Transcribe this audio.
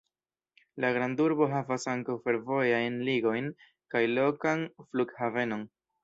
La grandurbo havas ankaŭ fervojajn ligojn kaj lokan flughavenon.